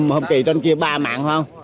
hôm kỳ trên kia ba mạng